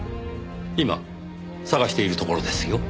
今探しているところですよ。